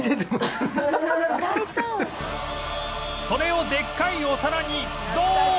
それをでっかいお皿にドーン！